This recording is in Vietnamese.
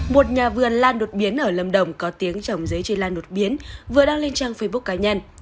một nhà vườn lan đột biến ở lâm đồng có tiếng trồng giấy chi lan đột biến vừa đăng lên trang facebook cá nhân